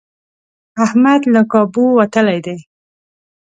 احمد له کابو وتلی دی.